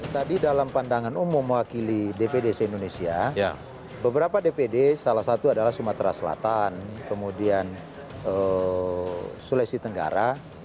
tadi dalam pandangan umum mewakili dpd se indonesia beberapa dpd salah satu adalah sumatera selatan kemudian sulawesi tenggara